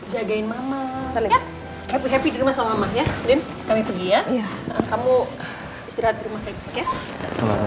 sampai jumpa di rumah ya